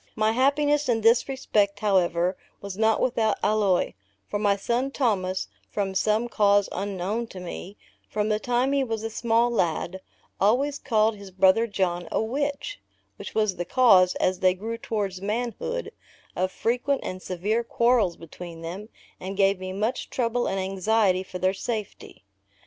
My happiness in this respect, however, was not without alloy; for my son Thomas, from some cause unknown to me, from the time he was a small lad, always called his brother John, a witch, which was the cause, as they grew towards manhood, of frequent and severe quarrels between them, and gave me much trouble and anxiety for their safety.